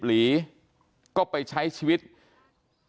ก็คุณตามมาอยู่กรงกีฬาดครับ